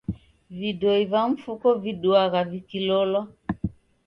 Vidoi va mfuko viduagha vikilolwa.